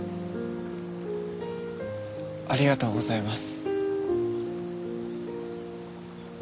ありがとうございます。